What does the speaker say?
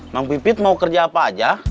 bang pipit mau kerja apa aja